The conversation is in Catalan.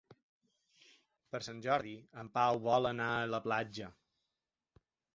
Per Sant Jordi en Pau vol anar a la platja.